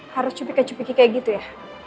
harus cupi kecupi kayak gitu ya